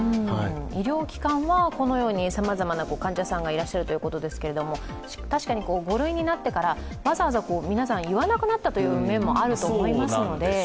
医療機関はこのように、さまざまな患者さんがいらっしゃるということですけれども、確かに５類になってからわざわざ皆さん言わなくなったという面もあると思うので。